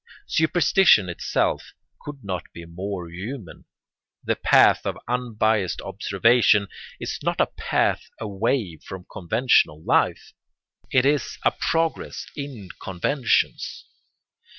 Superstition itself could not be more human. The path of unbiassed observation is not a path away from conventional life; it is a progress in conventions.